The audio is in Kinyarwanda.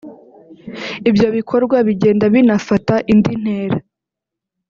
Ibyo bikorwa bigenda binafata indi ntera